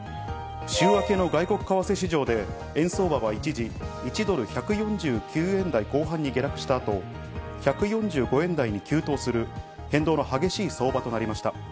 週明けの外国為替市場で、円相場は一時、１ドル＝１４９円台後半に下落した後、１４５円台に急騰する変動の激しい相場となりました。